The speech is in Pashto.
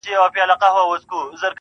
يو څو ژونده يې لاسو کي را ايسار دي_